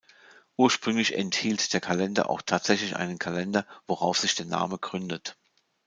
Ursprünglich enthielt der Kalender auch tatsächlich einen Kalender, worauf sich der Name gründet.